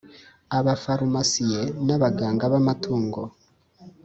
abafarumasiye n abaganga b amatungo